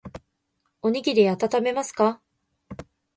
おにぎりあたためますか